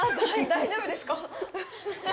大丈夫ですか？